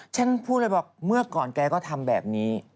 ฉันพูดเลยบอกเมื่อก่อนแกก็ทำแบบนี้